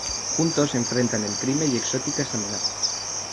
Juntos enfrentan el crimen y exóticas amenazas.